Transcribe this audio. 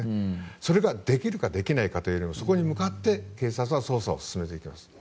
それができるかできないかというよりもそこに向かって警察は捜査を進めていきます。